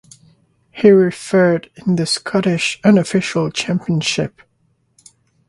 He refereed in the Scottish Unofficial Championship.